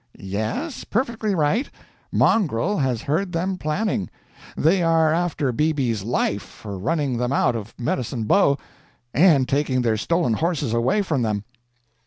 "Yes, perfectly right. Mongrel has heard them planning. They are after BB's life, for running them out of Medicine Bow and taking their stolen horses away from them."